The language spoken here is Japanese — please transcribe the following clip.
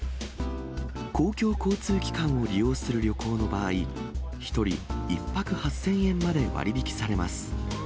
公共交通機関を利用する旅行の場合、１人１泊８０００円まで割り引きされます。